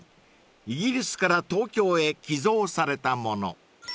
イギリスから東京へ寄贈されたもの］